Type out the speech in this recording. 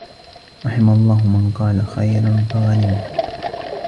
رَحِمَ اللَّهُ مَنْ قَالَ خَيْرًا فَغَنِمَ